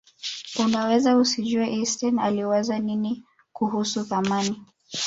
unaweza usijuie einstein aliwaza nini kuhusu thamani